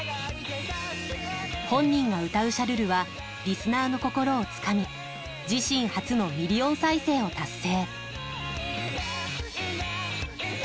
本人が歌う「シャルル」はリスナーの心をつかみ自身初のミリオン再生を達成。